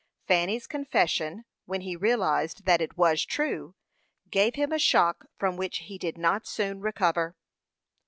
Fanny's confession, when he realized that it was true, gave him a shock from which he did not soon recover.